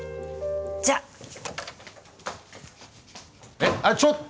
えっあれちょっ！